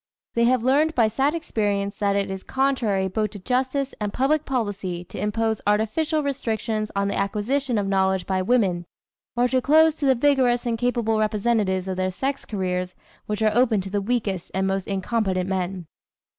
They have learned by sad experience that it is contrary both to justice and public policy to impose artificial restrictions on the acquisition of knowledge by women, or to close to the vigorous and capable representatives of their sex careers which are open to the weakest and most incompetent men.